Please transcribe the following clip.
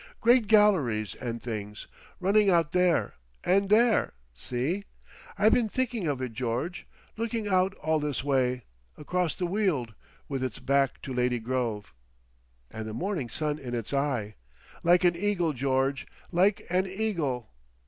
"Great galleries and things—running out there and there—See? I been thinking of it, George! Looking out all this way—across the Weald. With its back to Lady Grove." "And the morning sun in its eye." "Like an eagle, George,—like an eagle!"